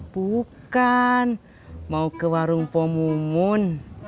bukan mau ke warung pomungun